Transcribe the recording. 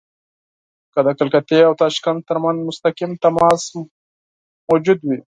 که د کلکتې او تاشکند ترمنځ مستقیم تماس موجود وي.